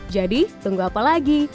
jadi tunggu apa lagi